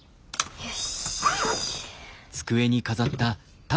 よし。